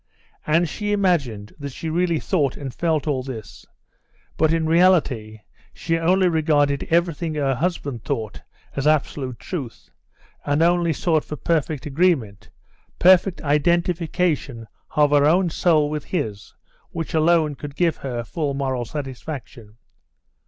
And she imagined that she really thought and felt all this, but in reality she only regarded everything her husband thought as absolute truth, and only sought for perfect agreement, perfect identification of her own soul with his which alone could give her full moral satisfaction.